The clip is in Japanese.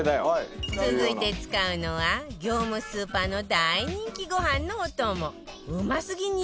続いて使うのは業務スーパーの大人気ご飯のお供うますぎっ！！